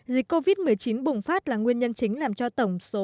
dịch covid một mươi chín bùng phát là nguyên nhân chính làm cho tổng số